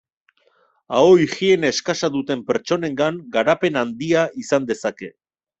Aho-higiene eskasa duten pertsonengan garapen handia izan dezake.